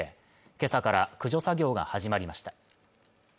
今朝から駆除作業が始まりました